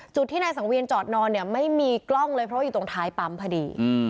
จุดที่นายสังเวียนจอดนอนเนี่ยไม่มีกล้องเลยเพราะว่าอยู่ตรงท้ายปั๊มพอดี